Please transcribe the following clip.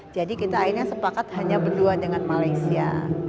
dan lainnya sepakat hanya berdua dengan malaysia